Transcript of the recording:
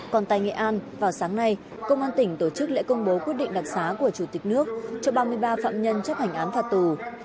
còn tại nghệ an vào sáng nay công an tỉnh tổ chức lễ công bố quyết định đặc xá của chủ tịch nước cho ba mươi ba phạm nhân chấp hành án phạt tù